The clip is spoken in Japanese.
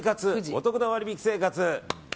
おトクな割引生活。